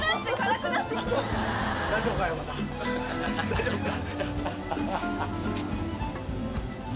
大丈夫か？